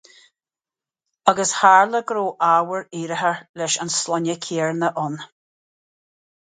Agus tharla sé go raibh ábhar iarrthóra leis an sloinne céanna ann.